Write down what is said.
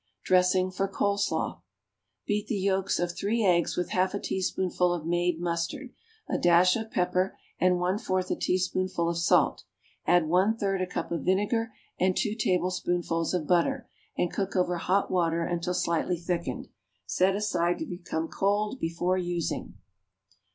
=Dressing for Cole Slaw.= Beat the yolks of three eggs with half a teaspoonful of made mustard, a dash of pepper and one fourth a teaspoonful of salt; add one third a cup of vinegar and two tablespoonfuls of butter, and cook over hot water until slightly thickened. Set aside to become cold before using.